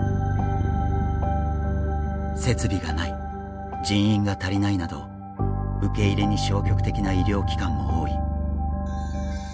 設備がない人員が足りないなど受け入れに消極的な医療機関も多い。